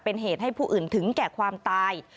เป็นเหตุให้ผู้อื่นถึงแก่ความตาย